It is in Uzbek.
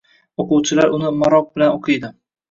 o‘quvchilar uni maroq bilan o‘qiydi.